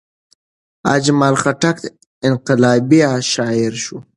اجمل خټک انقلابي شاعر شو.